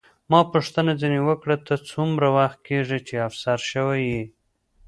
ما پوښتنه ځیني وکړه، ته څومره وخت کېږي چې افسر شوې یې؟